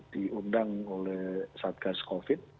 diundang oleh saat kas covid